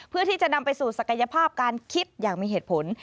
เพื่อที่จะนำไปสู่ศักยภาพการคิดอย่างมีเหตุผล